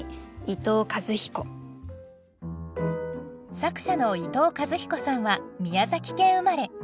作者の伊藤一彦さんは宮崎県生まれ。